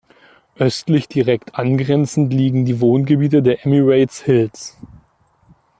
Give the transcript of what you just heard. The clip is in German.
Östlich direkt angrenzend liegen die Wohngebiete der Emirates Hills.